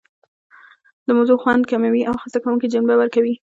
د موضوع خوند کموي او خسته کوونکې جنبه ورکوي.